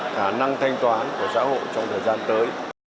khả năng thanh toán của xã hội trong thời gian tới